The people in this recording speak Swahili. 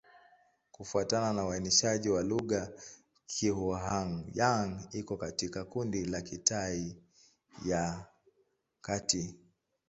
Kufuatana na uainishaji wa lugha, Kizhuang-Yang iko katika kundi la Kitai ya Kati.